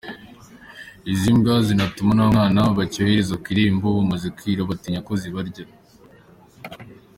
Izi mbwa, zinatuma nta mwana bacyohereza ku irembo bumaze kwira batinya ko zibarya.